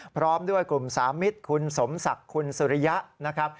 พร้อมด้วยกลุ่มสามิตรคุณสมศักดิ์คุณสุริยะนะครับ